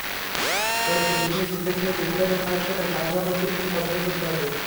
তবে পুরোদমে শীতের জন্য ডিসেম্বর মাসের মাঝামাঝি পর্যন্ত অপেক্ষা করতে হবে।